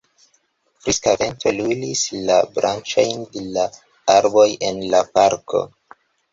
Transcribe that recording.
Friska vento lulis la branĉojn de la arboj en la parko.